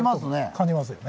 感じますね。